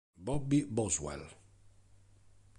Bobby Boswell